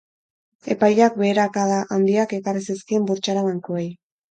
Epaiak beherakada handiak ekarri zizkien burtsara bankuei.